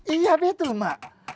iya betul emak